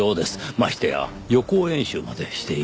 ましてや予行演習までしている。